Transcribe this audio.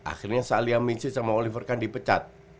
akhirnya salih amin syed sama oliver kahn dipecat